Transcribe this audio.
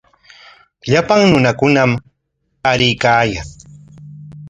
Llapan runakuna aruykaayan.